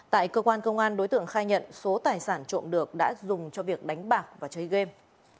tại cơ quan công an đối tượng khai nhận số tài sản trộm được đã dùng cho việc đánh bạc và chơi game